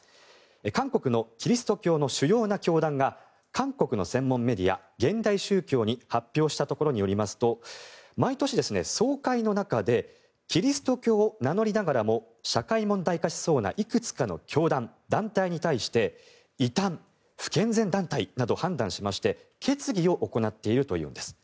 韓国のキリスト教の主要な教団が韓国の専門メディア、現代宗教に発表したところによりますと毎年、総会の中でキリスト教を名乗りながらも社会問題化しそうないくつかの教団や団体に対して異端、不健全団体など判断しまして決議を行っているというんです。